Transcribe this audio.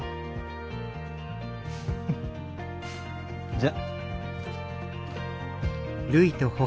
じゃ。